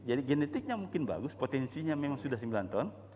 jadi genetiknya mungkin bagus potensinya memang sudah sembilan tahun